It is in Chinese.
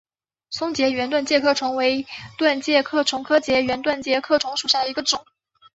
松栉圆盾介壳虫为盾介壳虫科栉圆盾介壳虫属下的一个种。